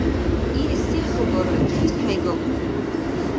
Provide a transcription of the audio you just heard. Ил се хабара? Чис хӀейгахъу?